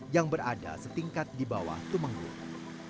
yang berada setingkat di bawah tumenggung